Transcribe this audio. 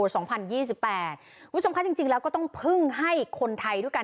สองพันยี่สิบแปดวิทยาลัยจริงจริงแล้วก็ต้องพึ่งให้คนไทยด้วยกัน